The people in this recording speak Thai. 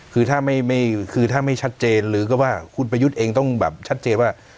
คือถ้าไม่คือถ้าไม่ชัดเจนหรือก็ว่าคุณประยุทธ์เองต้องแบบชัดเจนว่า